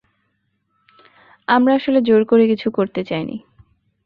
আমরা আসলে জোর করে কিছু করতে চাইনি।